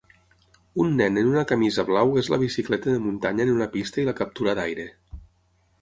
Un nen en una camisa blau és la bicicleta de muntanya en una pista i la captura d'aire